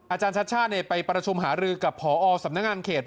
อาจารย์ชัชชาติไปประชุมหารือกับพอสำนักงานเขต